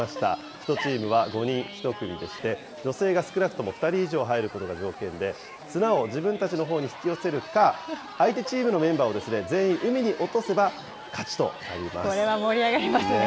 １チームは５人１組でして、女性が少なくとも２人以上入ることが条件で、綱を自分たちのほうに引き寄せるか、相手チームのメンバーを全員海に落とせば、勝ちこれは盛り上がりますよね。